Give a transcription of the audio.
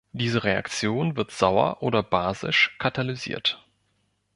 Diese Reaktion wird sauer oder basisch katalysiert.